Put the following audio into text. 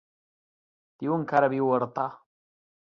Diuen que ara viu a Artà.